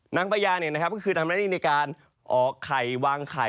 นางพยาก็คือทำในการอ๋อกไข่วางไข่